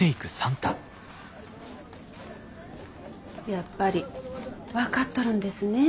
やっぱり分かっとるんですねえ